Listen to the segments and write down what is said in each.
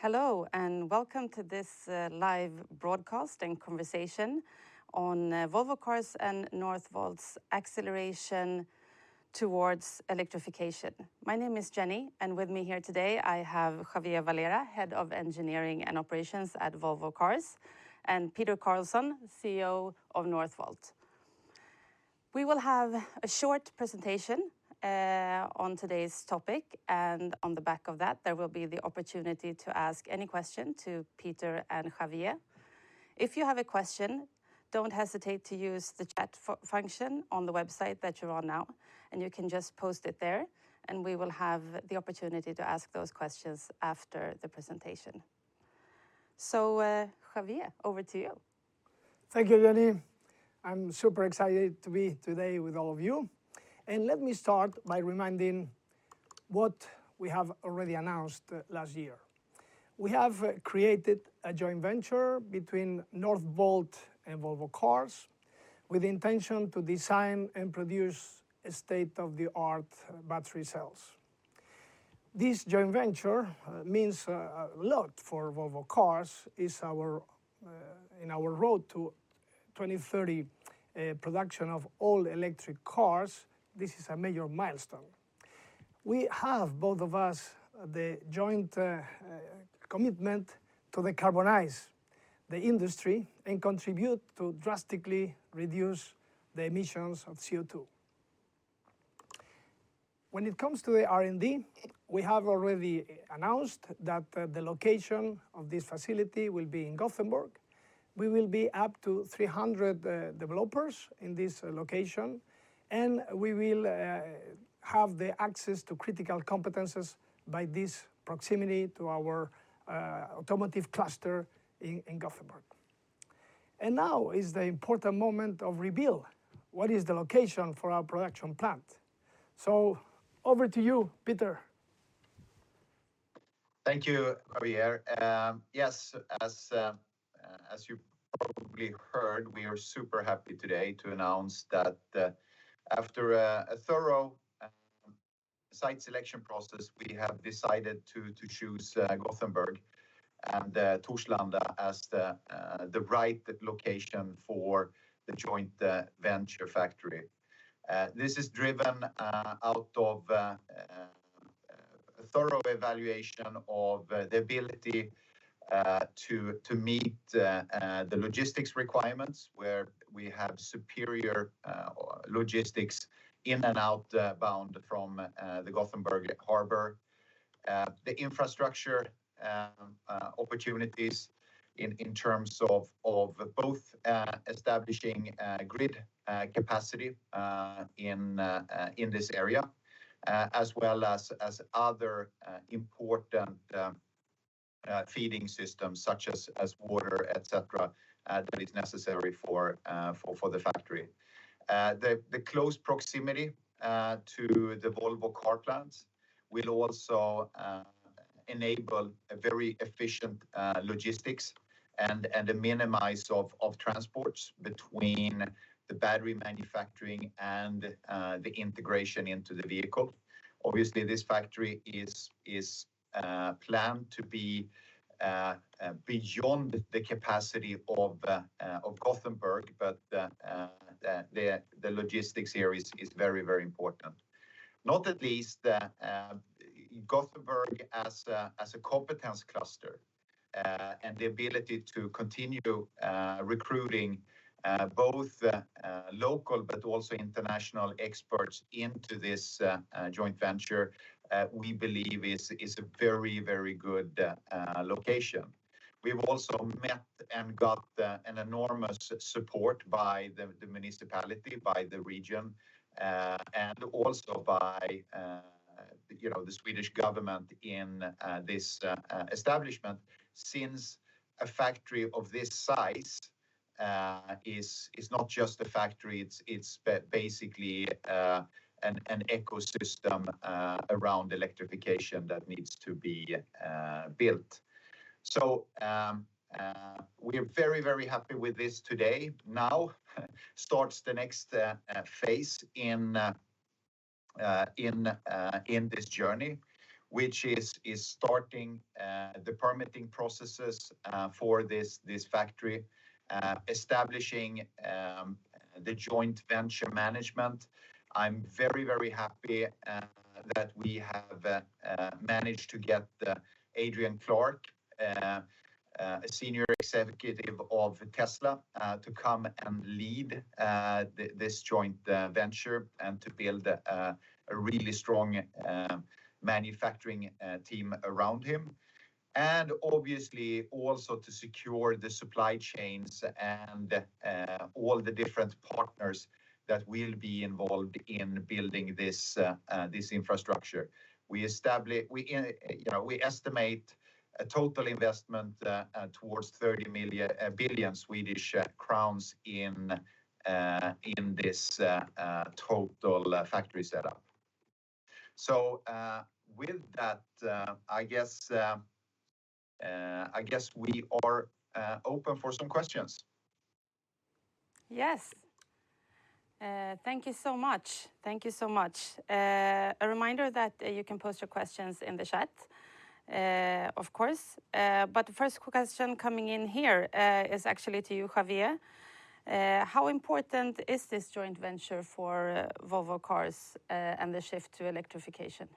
Hello, and welcome to this live broadcast and conversation on Volvo Cars and Northvolt's acceleration towards electrification. My name is Jenny, and with me here today I have Javier Varela, Head of Engineering and Operations at Volvo Cars, and Peter Carlsson, CEO of Northvolt. We will have a short presentation on today's topic, and on the back of that there will be the opportunity to ask any question to Peter and Javier. If you have a question, don't hesitate to use the chat function on the website that you're on now, and you can just post it there, and we will have the opportunity to ask those questions after the presentation. Javier, over to you. Thank you, Jenny. I'm super excited to be today with all of you. Let me start by reminding what we have already announced last year. We have created a joint venture between Northvolt and Volvo Cars with the intention to design and produce state-of-the-art battery cells. This joint venture means a lot for Volvo Cars in our road to 2030 production of all electric cars. This is a major milestone. We have both of us the joint commitment to decarbonize the industry and contribute to drastically reduce the emissions of CO2. When it comes to the R&D, we have already announced that the location of this facility will be in Gothenburg. We will be up to 300 developers in this location, and we will have the access to critical competences by this proximity to our automotive cluster in Gothenburg. Now is the important moment of reveal what is the location for our production plant. Over to you, Peter. Thank you, Javier. Yes, as you probably heard, we are super happy today to announce that, after a thorough site selection process, we have decided to choose Gothenburg and Torslanda as the right location for the joint venture factory. This is driven out of a thorough evaluation of the ability to meet the logistics requirements where we have superior logistics in and outbound from the Gothenburg harbor. The infrastructure opportunities in terms of both establishing grid capacity in this area, as well as other important feeding systems such as water, etc., that is necessary for the factory. The close proximity to the Volvo Cars plants will also enable a very efficient logistics and a minimization of transports between the battery manufacturing and the integration into the vehicle. Obviously, this factory is planned to be beyond the capacity of Gothenburg, but the logistics here is very important. Not least, Gothenburg as a competence cluster and the ability to continue recruiting both local but also international experts into this joint venture, we believe is a very good location. We've also met and got an enormous support by the municipality, by the region, and also by, you know, the Swedish government in this establishment since a factory of this size is not just a factory. It's basically an ecosystem around electrification that needs to be built. We are very happy with this today. Now starts the next phase in this journey, which is starting the permitting processes for this factory, establishing the joint venture management. I'm very happy that we have managed to get Adrian Clarke, a senior executive of Tesla, to come and lead this joint venture and to build a really strong manufacturing team around him. Obviously also to secure the supply chains and all the different partners that will be involved in building this infrastructure. We, you know, we estimate a total investment towards 30 billion Swedish crowns in this total factory setup. With that, I guess we are open for some questions. Yes. Thank you so much. A reminder that you can post your questions in the chat, of course. The first question coming in here is actually to you, Javier. How important is this joint venture for Volvo Cars and the shift to electrification?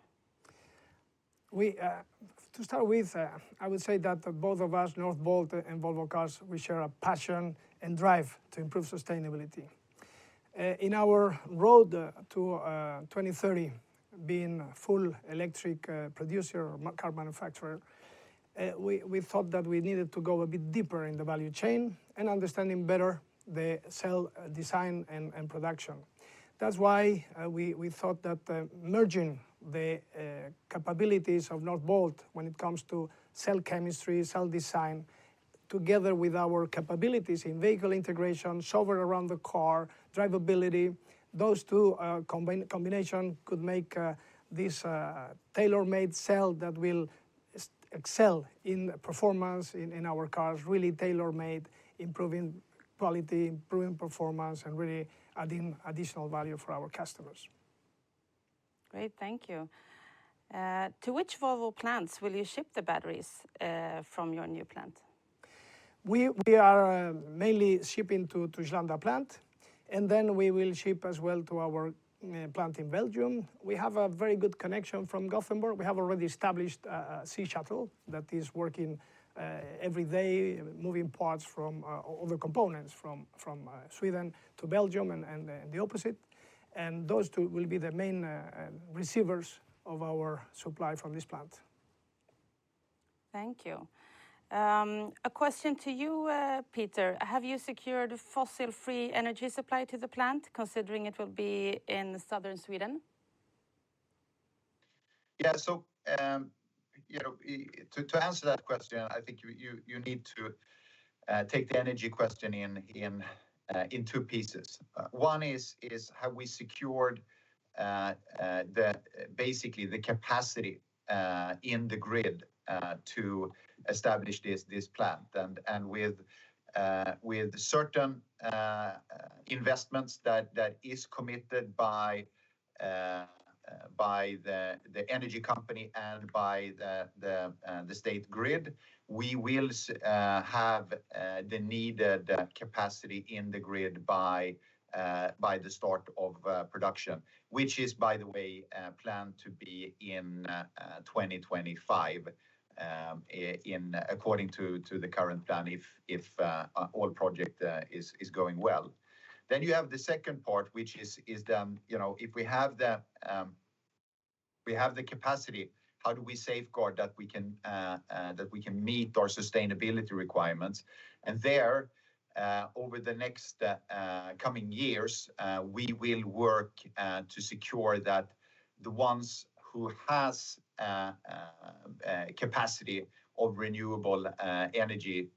To start with, I would say that both of us, Northvolt and Volvo Cars, we share a passion and drive to improve sustainability. In our road to 2030 being full electric producer or car manufacturer, we thought that we needed to go a bit deeper in the value chain and understanding better the cell design and production. That's why we thought that merging the capabilities of Northvolt when it comes to cell chemistry, cell design, together with our capabilities in vehicle integration, software around the car, drivability, those two combination could make this tailor-made cell that will excel in performance in our cars, really tailor-made, improving quality, improving performance, and really adding additional value for our customers. Great. Thank you. To which Volvo plants will you ship the batteries from your new plant? We are mainly shipping to Skövde plant, and then we will ship as well to our plant in Belgium. We have a very good connection from Gothenburg. We have already established a sea shuttle that is working every day, moving parts from or the components from Sweden to Belgium and the opposite. Those two will be the main receivers of our supply from this plant. Thank you. A question to you, Peter. Have you secured fossil-free energy supply to the plant, considering it will be in southern Sweden? To answer that question, I think you need to take the energy question in two pieces. One is have we secured basically the capacity in the grid to establish this plant. With certain investments that is committed by the energy company and by the state grid, we will have the needed capacity in the grid by the start of production, which by the way is planned to be in 2025 according to the current plan if all project is going well. You have the second part, which is you know if we have the capacity how do we safeguard that we can meet our sustainability requirements? There over the next coming years we will work to secure that the ones who has capacity of renewable energy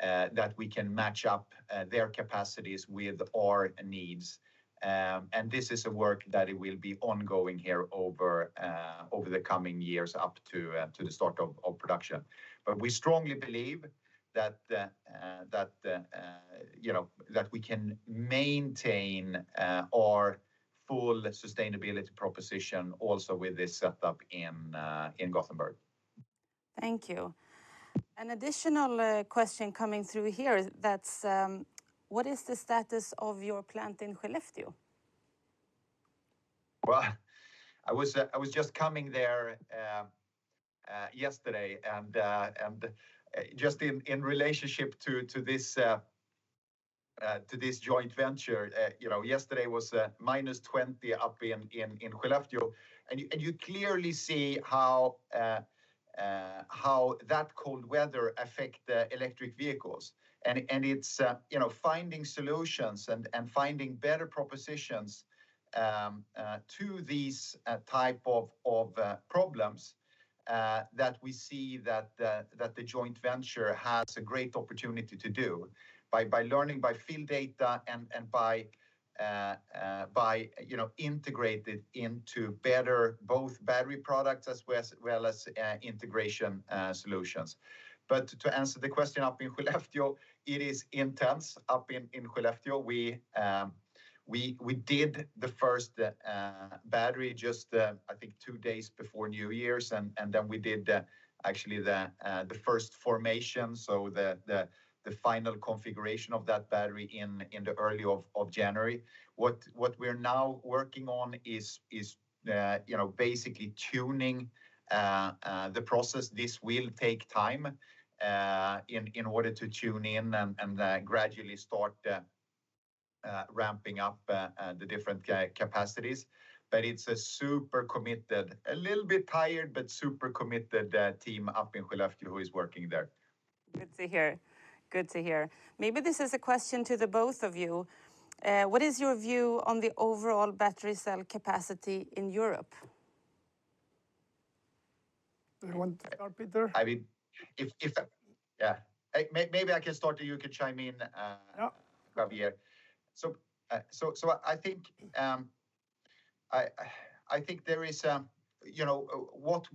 that we can match up their capacities with our needs. This is a work that it will be ongoing here over the coming years up to the start of production. We strongly believe that you know that we can maintain our full sustainability proposition also with this setup in Gothenburg. Thank you. An additional question coming through here that's: What is the status of your plant in Skellefteå? Well, I was just coming there yesterday and just in relationship to this joint venture, you know, yesterday was -20 degrees Celsius up in Skellefteå. You clearly see how that cold weather affects the electric vehicles. It's you know, finding solutions and finding better propositions to these types of problems that we see that the joint venture has a great opportunity to do by learning by field data and by you know, integrated into better both battery products as well as integration solutions. To answer the question, up in Skellefteå, it is intense up in Skellefteå. We did the first battery just I think two days before New Year's, and then we did actually the first formation, so the final configuration of that battery in the early of January. What we're now working on is you know basically tuning the process. This will take time in order to tune in and gradually start ramping up the different capacities. It's a super committed, a little bit tired, but super committed team up in Skellefteå who is working there. Good to hear. Maybe this is a question to the both of you. What is your view on the overall battery cell capacity in Europe? Do you want to start, Peter? I mean, if. Yeah. Maybe I can start, and you can chime in. Yeah Javier. I think there is, you know, what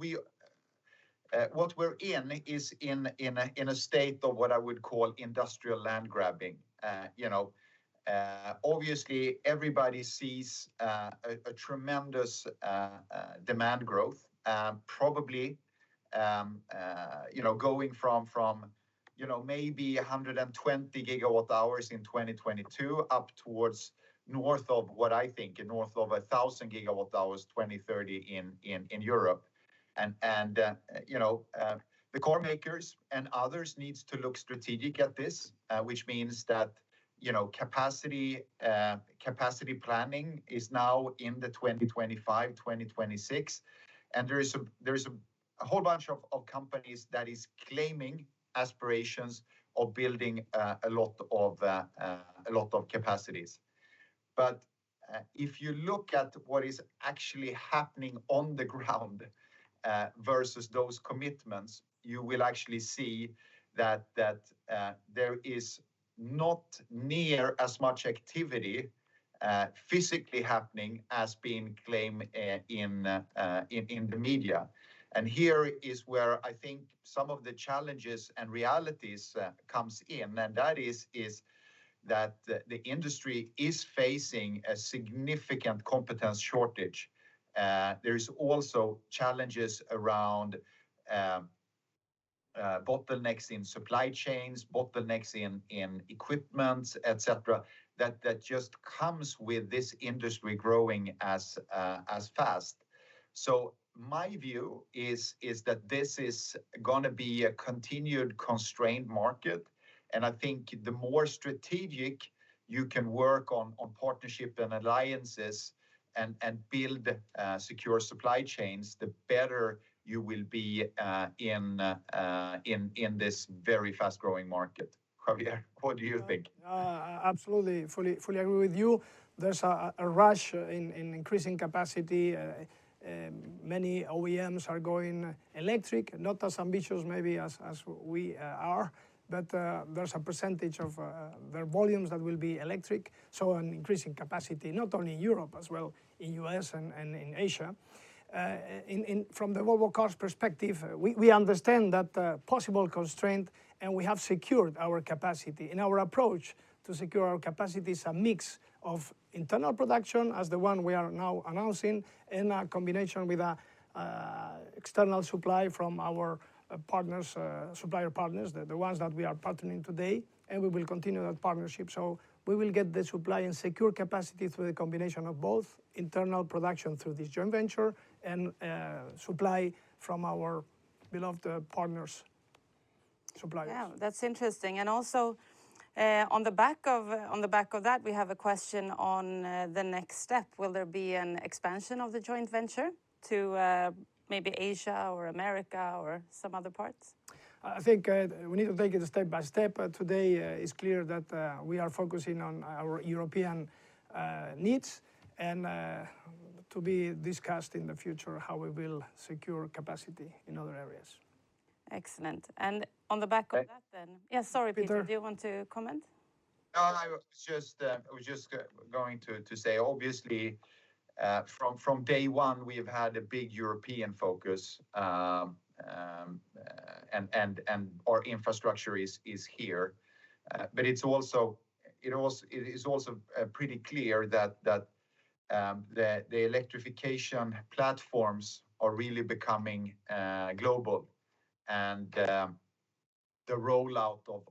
we're in is in a state of what I would call industrial land grabbing. You know, obviously everybody sees a tremendous demand growth, probably, you know, going from you know maybe 120GWh in 2022 up towards north of what I think 1,000GWh 2030 in Europe. You know, the car makers and others needs to look strategic at this, which means that, you know, capacity planning is now in the 2025, 2026. There is a whole bunch of companies that is claiming aspirations of building a lot of capacities. If you look at what is actually happening on the ground versus those commitments, you will actually see that there is not near as much activity physically happening as being claimed in the media. Here is where I think some of the challenges and realities comes in, and that is that the industry is facing a significant competence shortage. There is also challenges around bottlenecks in supply chains, bottlenecks in equipment, et cetera, that just comes with this industry growing as fast. My view is that this is gonna be a continued constrained market, and I think the more strategic you can work on partnership and alliances and build secure supply chains, the better you will be in this very fast-growing market. Javier, what do you think? Absolutely, fully agree with you. There's a rush in increasing capacity. Many OEMs are going electric, not as ambitious maybe as we are, but there's a percentage of their volumes that will be electric, so an increasing capacity, not only in Europe, as well in U.S. and in Asia. From the Volvo Cars perspective, we understand that possible constraint, and we have secured our capacity. Our approach to secure our capacity is a mix of internal production, as the one we are now announcing, in a combination with a external supply from our partners, supplier partners, the ones that we are partnering today, and we will continue that partnership. We will get the supply and secure capacity through the combination of both internal production through this joint venture and supply from our beloved partners, suppliers. Wow, that's interesting. Also, on the back of that, we have a question on the next step. Will there be an expansion of the joint venture to maybe Asia or America or some other parts? I think we need to take it step by step. Today, it's clear that we are focusing on our European needs, and to be discussed in the future how we will secure capacity in other areas. Excellent. On the back of that then. Can- Yeah, sorry, Peter. Peter. Do you want to comment? No, I was just going to say, obviously, from day one, we've had a big European focus, and our infrastructure is here. But it is also pretty clear that the electrification platforms are really becoming global, and the rollout of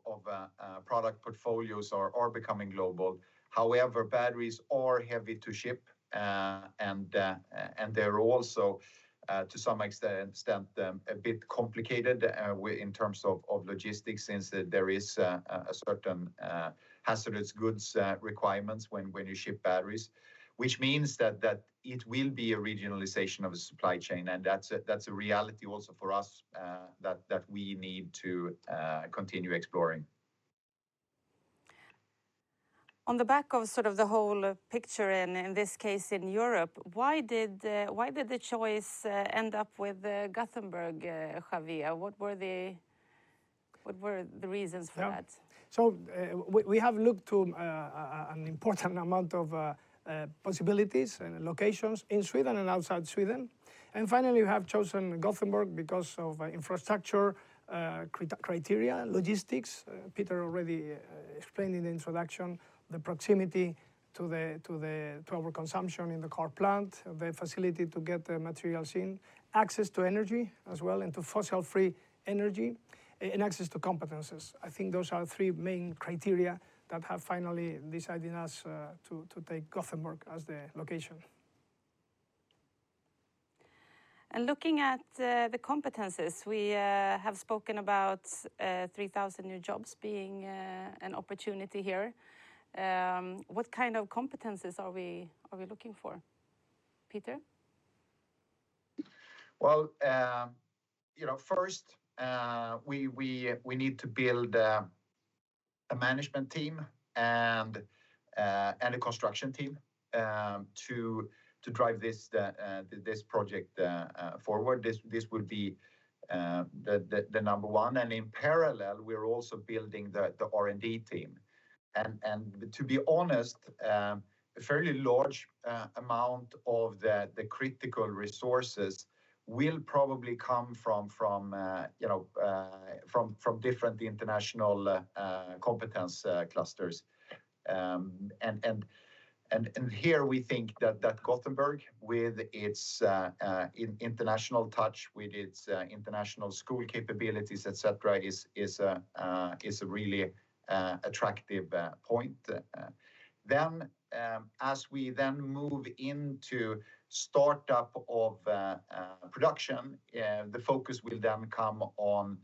product portfolios are becoming global. However, batteries are heavy to ship, and they're also, to some extent, a bit complicated in terms of logistics, since there is a certain hazardous goods requirements when you ship batteries, which means that it will be a regionalization of the supply chain, and that's a reality also for us, that we need to continue exploring. On the back of sort of the whole picture in this case in Europe, why did the choice end up with Gothenburg, Javier? What were the reasons for that? Yeah. We have looked to an important amount of possibilities and locations in Sweden and outside Sweden. Finally, we have chosen Gothenburg because of infrastructure, criteria, logistics. Peter already explained in the introduction, the proximity to our consumption in the car plant, the facility to get the materials in, access to energy as well, and to fossil-free energy, and access to competencies. I think those are three main criteria that have finally deciding us to take Gothenburg as the location. Looking at the competencies, we have spoken about 3,000 new jobs being an opportunity here. What kind of competencies are we looking for? Peter? Well, you know, first, we need to build a management team and a construction team to drive this project forward. This would be the number one. In parallel, we're also building the R&D team. To be honest, a fairly large amount of the critical resources will probably come from, you know, from different international competence clusters. Here we think that Gothenburg with its international touch, with its international school capabilities, et cetera, is a really attractive point. As we then move into startup of production, the focus will then come on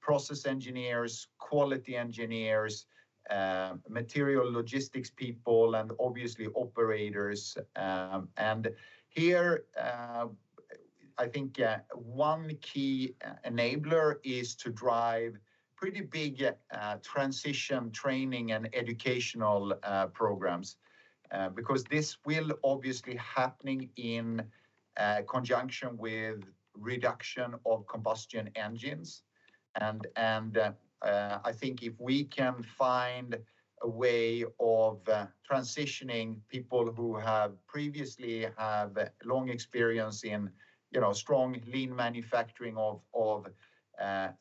process engineers, quality engineers, material logistics people, and obviously operators. Here, I think, one key enabler is to drive pretty big, transition training and educational, programs, because this will obviously happening in, conjunction with reduction of combustion engines. I think if we can find a way of transitioning people who have previously have long experience in, you know, strong lean manufacturing of,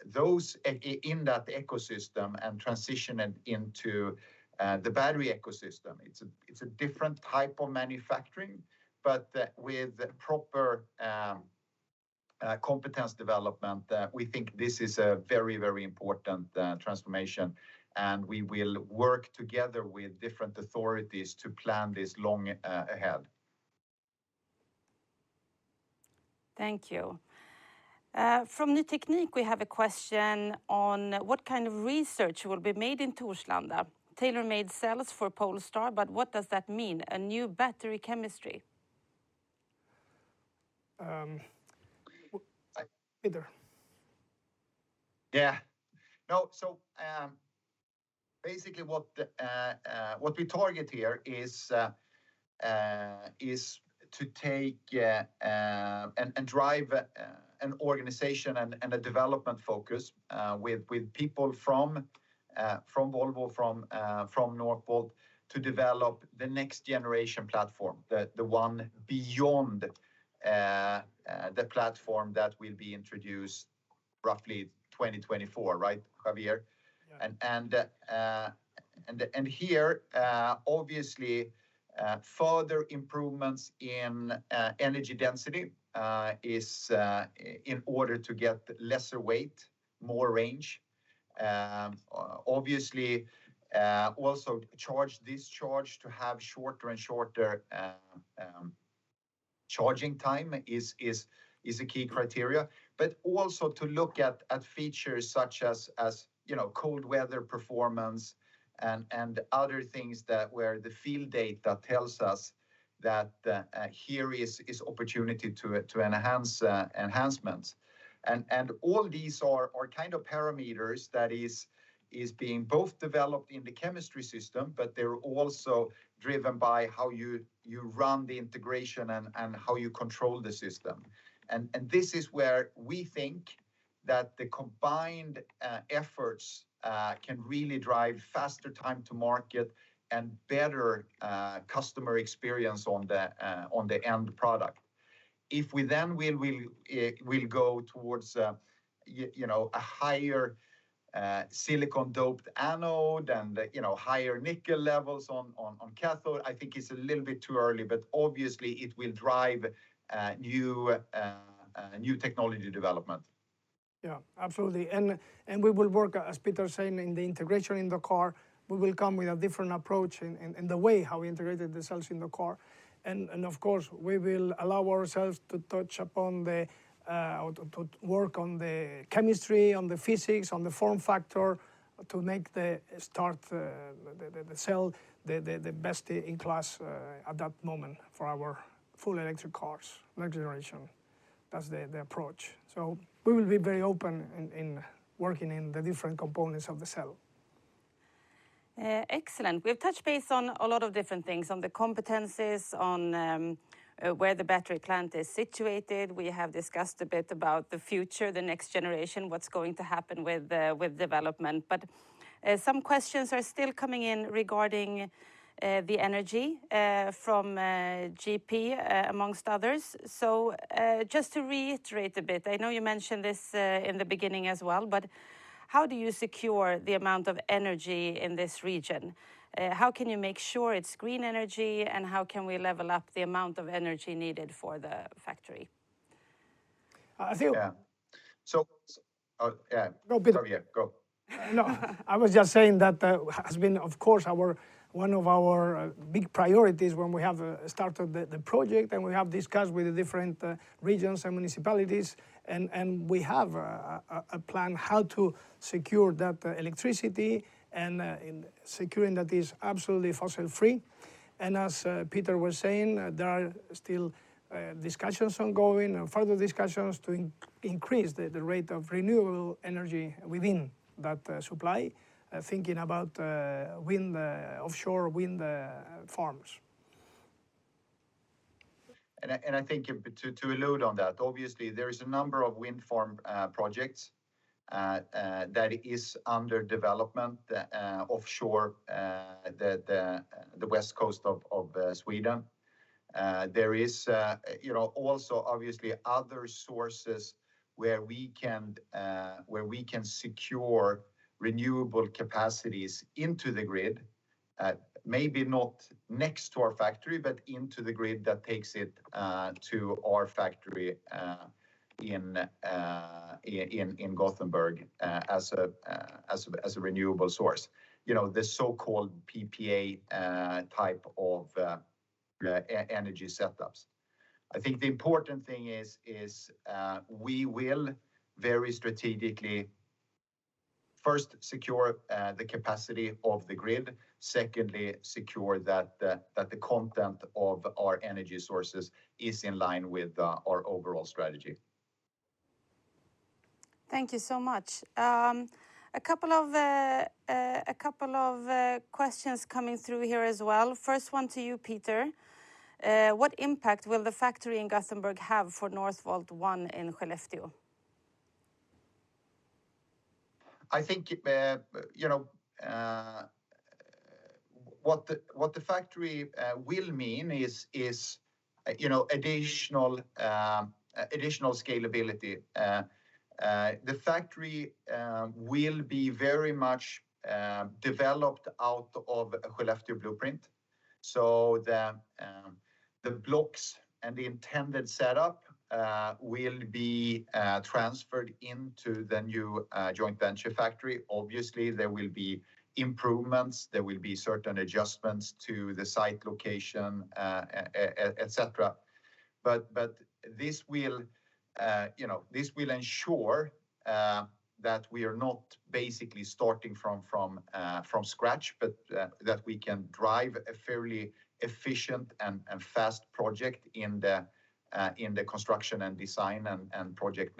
those in that ecosystem and transition it into, the battery ecosystem, it's a different type of manufacturing. With proper, competence development, we think this is a very important, transformation, and we will work together with different authorities to plan this long ahead. Thank you. From Ny Teknik, we have a question on what kind of research will be made in Torslanda. Tailor-made cells for Polestar, but what does that mean? A new battery chemistry? Peter. Yeah. No, basically what we target here is to take and drive an organization and a development focus with people from Volvo, from Northvolt to develop the next generation platform, the one beyond the platform that will be introduced roughly 2024, right, Javier? Yeah. Obviously, further improvements in energy density is in order to get lesser weight, more range. Obviously, also charge discharge to have shorter and shorter charging time is a key criteria. But also to look at features such as, you know, cold weather performance and other things that where the field data tells us that here is opportunity to enhance enhancements. All these are kind of parameters that is being both developed in the chemistry system, but they're also driven by how you run the integration and how you control the system. This is where we think that the combined efforts can really drive faster time to market and better customer experience on the end product. If we then will go towards you know a higher silicon-doped anode and you know higher nickel levels on cathode, I think it's a little bit too early, but obviously it will drive a new technology development. Yeah, absolutely. We will work, as Peter saying, in the integration in the car. We will come with a different approach in the way how we integrated the cells in the car. Of course, we will allow ourselves to touch upon the or to work on the chemistry, on the physics, on the form factor to make the start the cell the best in class at that moment for our full electric cars, next generation. That's the approach. We will be very open in working in the different components of the cell. Excellent. We've touched base on a lot of different things, on the competencies, on where the battery plant is situated. We have discussed a bit about the future, the next generation, what's going to happen with development. Some questions are still coming in regarding the energy from GP amongst others. Just to reiterate a bit, I know you mentioned this in the beginning as well, but how do you secure the amount of energy in this region? How can you make sure its green energy, and how can we level up the amount of energy needed for the factory? I think. Yeah. No, Peter. Javier, go. No, I was just saying that has been, of course, one of our big priorities when we have started the project and we have discussed with the different regions and municipalities and we have a plan how to secure that electricity and securing that is absolutely fossil-free. As Peter was saying, there are still discussions ongoing and further discussions to increase the rate of renewable energy within that supply, thinking about wind, offshore wind farms. I think to allude to that, obviously there is a number of wind farm projects that is under development offshore the west coast of Sweden. There is, you know, also obviously other sources where we can secure renewable capacities into the grid, maybe not next to our factory, but into the grid that takes it to our factory in Gothenburg, as a renewable source. You know, the so-called PPA type of energy setups. I think the important thing is we will very strategically first secure the capacity of the grid, secondly secure that the content of our energy sources is in line with our overall strategy. Thank you so much. A couple of questions coming through here as well. First one to you, Peter. What impact will the factory in Gothenburg have for Northvolt Ett in Skellefteå? I think you know what the factory will mean is you know additional scalability. The factory will be very much developed out of Skellefteå blueprint. The blocks and the intended setup will be transferred into the new joint venture factory. Obviously there will be improvements there will be certain adjustments to the site location et cetera. This will you know this will ensure that we are not basically starting from scratch but that we can drive a fairly efficient and fast project in the construction and design and project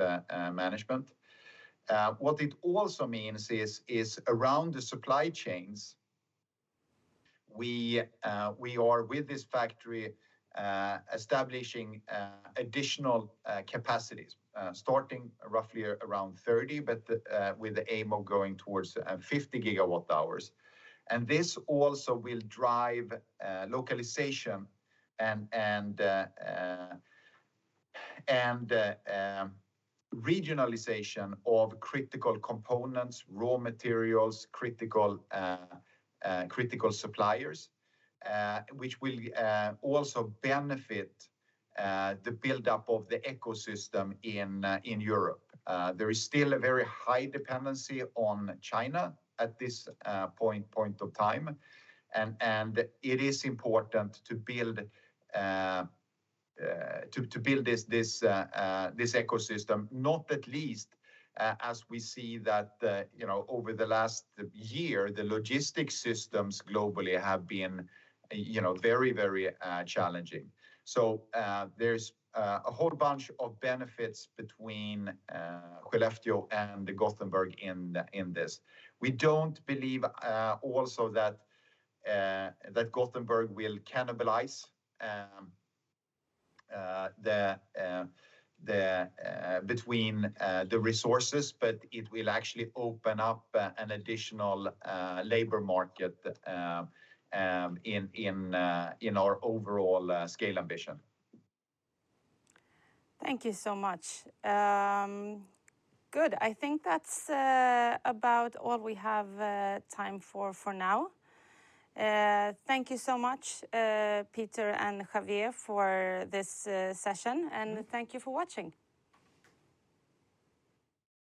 management. What it also means is around the supply chains we are with this factory establishing additional capacities starting roughly around 30, but with the aim of going towards 50GWh. This also will drive localization and regionalization of critical components, raw materials, critical suppliers, which will also benefit the buildup of the ecosystem in Europe. There is still a very high dependency on China at this point of time, and it is important to build this ecosystem, not least as we see that you know over the last year the logistics systems globally have been you know very challenging. There's a whole bunch of benefits between Skellefteå and Gothenburg in this. We don't believe also that Gothenburg will cannibalize the between the resources, but it will actually open up an additional labor market in our overall scale ambition. Thank you so much. Good. I think that's about all we have time for now. Thank you so much, Peter and Javier for this session, and thank you for watching.